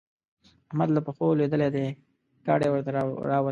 احمد له پښو لوېدلی دی؛ ګاډی ورته راولي.